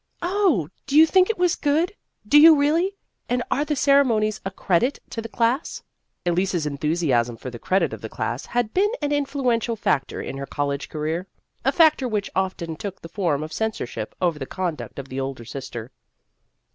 " Oh, do you think it was good ? Do you really ? And are the Ceremonies a credit to the class ?" Elise's enthusiasm for the credit of the class had been an influential factor in her college career a factor which often took ^> the form of censorship over the conduct of the older sister.